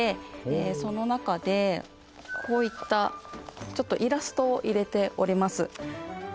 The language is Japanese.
その中でこういったイラストを入れております。